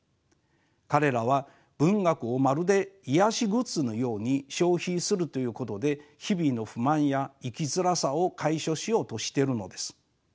彼らは文学をまるで癒やしグッズのように消費するということで日々の不満や生きづらさを解消しようとしてるのです。